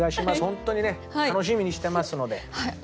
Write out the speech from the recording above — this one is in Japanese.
本当にね楽しみにしてますので。